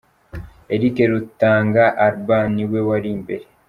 Eric Rutanga Alba ni we wari imbere.